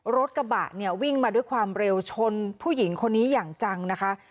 รถกระบะเนี่ยวิ่งมาด้วยความเร็วชนผู้หญิงคนนี้อย่างจังนะคะ